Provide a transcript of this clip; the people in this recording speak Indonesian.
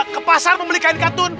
ke pasar membelikan kantun